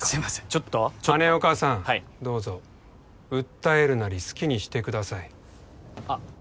ちょっとちょっと羽根岡さんはいどうぞ訴えるなり好きにしてくださいあっ